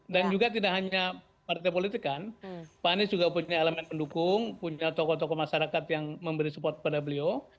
dan juga tidak hanya partai politik kan pak hanis juga punya elemen pendukung punya tokoh tokoh masyarakat yang memberi support kepada beliau